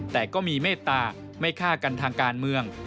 แต่ก็มีเมตตาไม่ฆ่ากันทางการเมือง